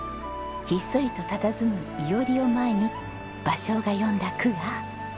ひっそりとたたずむ庵を前に芭蕉が詠んだ句は。